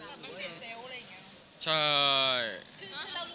เรารู้ตัวตอนไหน